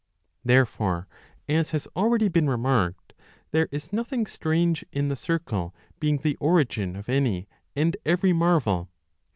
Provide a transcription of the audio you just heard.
Therefore, as has already been remarked, there is nothing strange in the circle being the origin of any and every marvel.